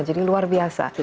jadi luar biasa